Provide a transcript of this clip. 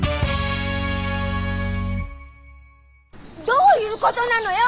どういうことなのよ！